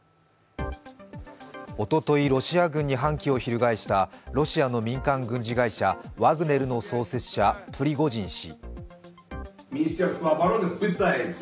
おととい、ロシア軍に反旗を翻したロシアの民間軍事会社ワグネルの創設者・プリゴジン氏。